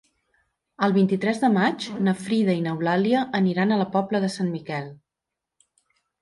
El vint-i-tres de maig na Frida i n'Eulàlia aniran a la Pobla de Sant Miquel.